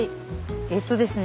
えっとですね